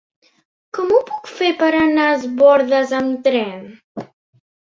Com ho puc fer per anar a Es Bòrdes amb tren?